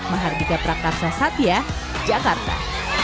mahardika prakarsa satya jakarta